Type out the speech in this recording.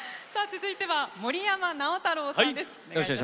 続いては森山直太朗さんです。